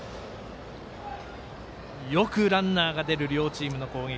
よくランナーが出る両チームの攻撃。